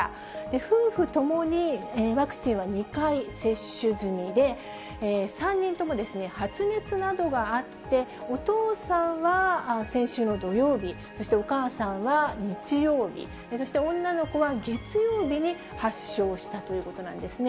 夫婦ともにワクチンは２回接種済みで、３人とも発熱などがあって、お父さんは先週の土曜日、そしてお母さんは日曜日、そして女の子は月曜日に発症したということなんですね。